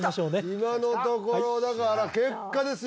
今のところだから結果ですよ